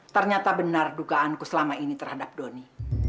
ternyata benar dugaanku selama ini terhadap doni